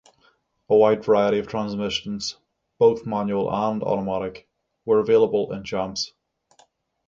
A wide variety of transmissions, both manual and automatic, were available in Champs.